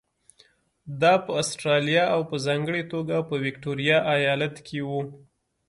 دا په اسټرالیا او په ځانګړې توګه په ویکټوریا ایالت کې وو.